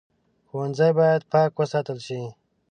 ښوونځی باید پاک وساتل شي